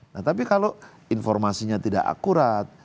nah tapi kalau informasinya tidak akurat